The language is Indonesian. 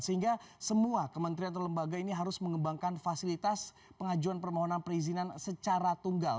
sehingga semua kementerian atau lembaga ini harus mengembangkan fasilitas pengajuan permohonan perizinan secara tunggal